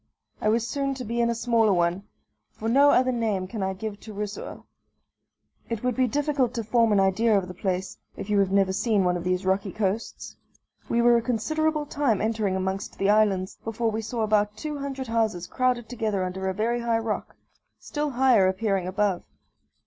I was soon to be in a smaller one for no other name can I give to Rusoer. It would be difficult to form an idea of the place, if you have never seen one of these rocky coasts. We were a considerable time entering amongst the islands, before we saw about two hundred houses crowded together under a very high rock still higher appearing above.